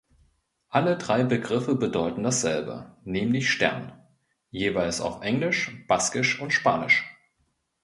Alle drei Begriffe bedeuten dasselbe, nämlich Stern, jeweils auf Englisch, Baskisch und Spanisch.